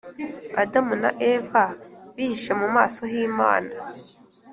adamu na eva bihishe mu maso hi’imana